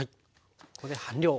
ここで半量。